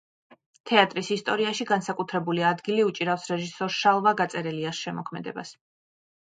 თეატრის ისტორიაში განსაკუთრებული ადგილი უჭირავს რეჟისორ შალვა გაწერელიას შემოქმედებას.